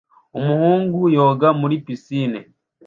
umuhungu yoga muri pisine